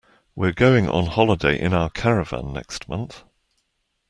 We're going on holiday in our caravan next month